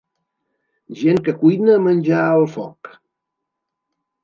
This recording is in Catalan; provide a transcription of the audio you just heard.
Gent que cuina menjar al foc.